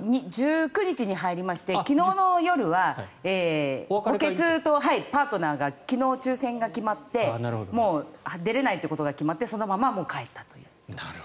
１９日に入りまして昨日の夜は補欠とパートナーが昨日、抽選が決まってもう出れないということが決まってそのまま帰ったという。